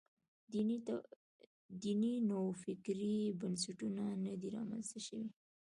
دیني نوفکرۍ بنسټونه نه دي رامنځته شوي.